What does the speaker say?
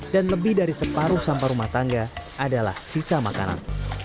dan lebih dari separuh sampah rumah tangga adalah sisa makanan